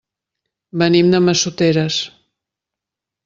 Venim de Massoteres.